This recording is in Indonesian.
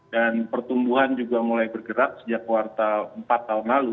dan pertumbuhan juga mulai bergerak sejak kuartal empat tahun lalu